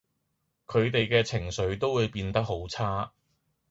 佢哋嘅情緒都會變得好差